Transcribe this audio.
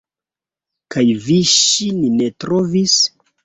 Kaj vi ŝin ne trovis?